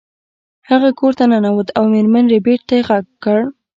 هغه کور ته ننوت او میرمن ربیټ ته یې غږ کړ